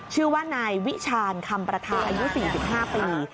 ชื่อว่านายวิชาณคำประทาอายุ๔๕ปี